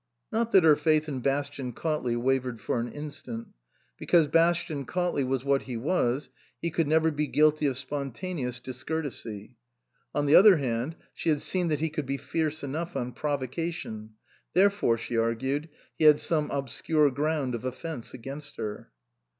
Not that her faith in Bastian Cautley wavered for an instant. Because Bastian Cautley was what he was, he could never be guilty of spon taneous discourtesy ; on the other hand, she had seen that he could be fierce enough on provocation ; therefore, she argued, he had some obscure ground of offence against her.